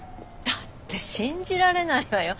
だって信じられないわよ。